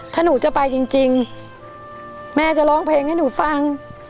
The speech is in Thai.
ถ้าหนูจะไปจริงแม่จะร้องเพลงให้หนูฟัง